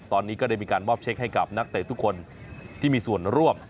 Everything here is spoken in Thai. ตอนนี้ก็ได้มีการมอบเช็คให้กับนักเตะทุกคนที่มีส่วนร่วม